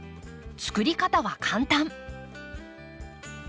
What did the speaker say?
作り方は簡単。